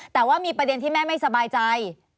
แต่ว่ามีประเด็นที่แม่ไม่สบายใจ